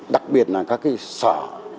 đặc biệt là các cái sở